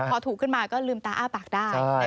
พอถูกขึ้นมาก็ลืมตาอ้าปากได้